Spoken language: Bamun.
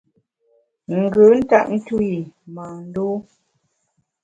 Ngùn ntap ntu’w i mâ ndû.